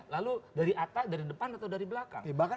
lalu dari depan atau dari belakang